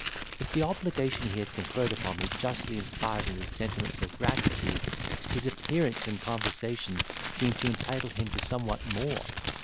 If the obligation he had conferred upon me justly inspired me with sentiments of gratitude, his appearance and conversation seemed to entitle him to somewhat more.